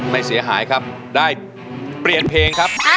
เสียหายครับได้เปลี่ยนเพลงครับ